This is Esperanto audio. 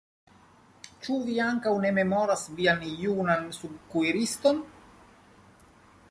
Ĉu vi ankaŭ ne memoras vian junan subkuiriston?